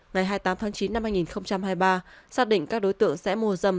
ngày hai mươi tám tháng chín năm hai nghìn hai mươi ba xác định các đối tượng sẽ mua dâm